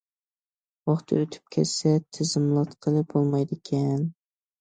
ۋاقتى ئۆتۈپ كەتسە تىزىملاتقىلى بولمايدىكەن.